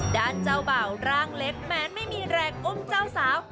ด้านเจ้าบ่าวร่างเล็กแม้ไม่มีแรงอุ้มเจ้าสาว